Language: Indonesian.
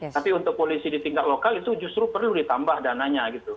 tapi untuk polisi di tingkat lokal itu justru perlu ditambah dananya gitu